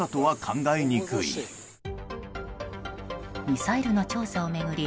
ミサイルの調査を巡り